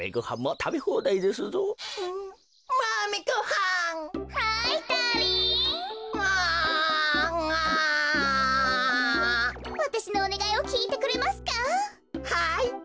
はい。